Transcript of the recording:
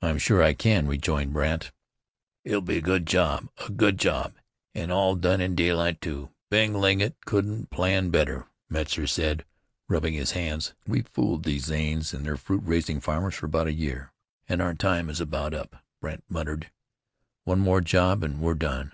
"I'm sure I can," rejoined Brandt. "It'll be a good job, a good job an' all done in daylight, too. Bing Legget couldn't plan better," Metzar said, rubbing his hands, "We've fooled these Zanes and their fruit raising farmers for a year, and our time is about up," Brandt muttered. "One more job and we've done.